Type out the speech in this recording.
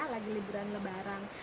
lagi liburan lebaran